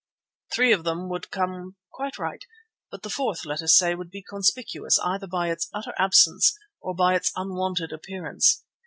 Three of them would come quite right, but the fourth, let us say, would be conspicuous either by its utter absence or by its unwanted appearance.